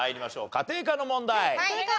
家庭科の問題。